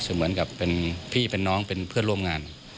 เหมือนกับเป็นพี่เป็นน้องเป็นเพื่อนร่วมงาน